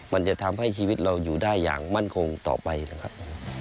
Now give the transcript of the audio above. มันจะทำให้ชีวิตเราอยู่ได้อย่างมั่นคงต่อไปนะครับ